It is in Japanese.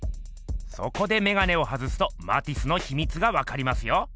そこでメガネを外すとマティスのひみつがわかりますよ。